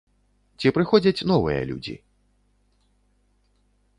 Ці прыходзяць новыя людзі?